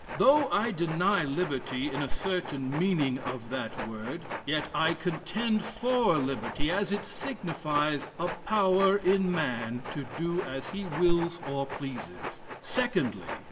Though I deny Liberty in a certain meaning of that word, yet I contend for Liberty, as it signifies a power in man to do as he wills or pleases. Secondly.